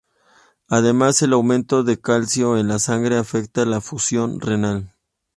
Además el aumento de calcio en la sangre afecta la función renal.